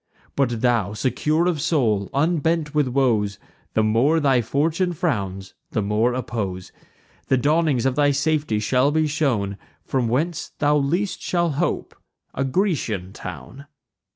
But thou, secure of soul, unbent with woes, The more thy fortune frowns, the more oppose. The dawnings of thy safety shall be shown From whence thou least shalt hope, a Grecian town."